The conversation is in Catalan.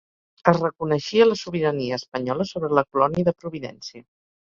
Es reconeixia la sobirania espanyola sobre la colònia de Providència.